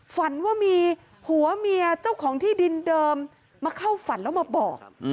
ฝันว่ามีผัวเมียเจ้าของที่ดินเดิมมาเข้าฝันแล้วมาบอก